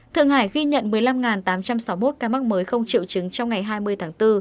thượng hải ghi nhận một mươi năm tám trăm sáu mươi một ca mắc mới không triệu chứng trong ngày hai mươi tháng bốn